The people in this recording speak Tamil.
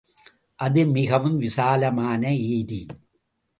அது மிகவும் விசாலமான ஏரி.